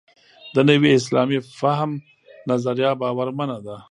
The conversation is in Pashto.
د نوي اسلامي فهم نظریه باورمنه ده.